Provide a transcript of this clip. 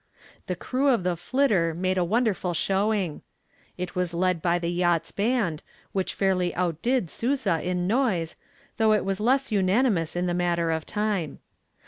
The crew of the "Flitter" made a wonderful showing. It was led by the yacht's band, which fairly outdid Sousa in noise, though it was less unanimous in the matter of time.